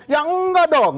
ya enggak dong